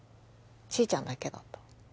ちーちゃんだけだった